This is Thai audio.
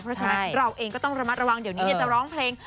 เพราะฉะนั้นเราเองก็ต้องระมัดระวังเดี๋ยวนี้จะร้องเพลง